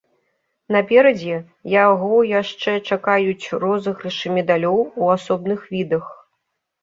Наперадзе яго яшчэ чакаюць розыгрышы медалёў у асобных відах.